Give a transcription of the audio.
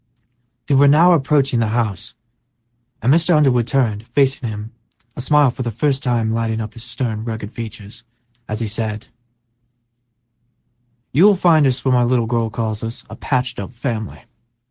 They were now approaching the house, and Mr. Underwood turned, facing him, a smile for the first time lighting up his stern, rugged features, as he said, "You will find us what my little girl calls a 'patched up' family.